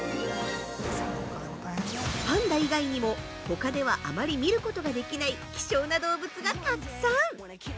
パンダ以外にもほかではあまり見ることができない希少な動物がたくさん！